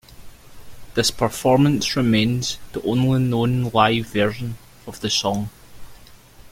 This performance remains the only known live version of the song.